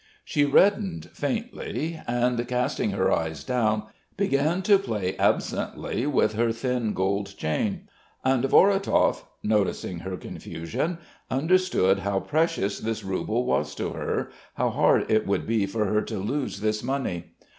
She reddened faintly, and casting her eyes down, began to play absently with her thin gold chain. And Vorotov, noticing her confusion, understood how precious this rouble was to her, how hard it would be for her to lose this money.